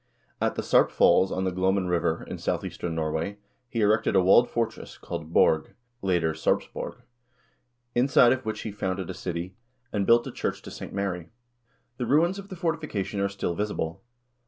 At the Sarp Falls of the Glommen River, in southeastern Norway, he erected a walled fortress, called "Borg" (later Sarpsborg), inside of which he founded a city, and built a FOREIGN RELATIONS 253 church to St. Mary. The ruins of the fortifications are still visible.